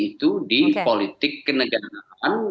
itu di politik kenegaraan